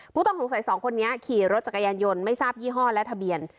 ผู้ต้องสงสัยสองคนนี้ขี่รถจักรยานยนต์ไม่ทราบยี่ห้อและทะเบียน